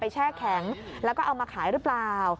แช่แข็งแล้วก็เอามาขายหรือเปล่า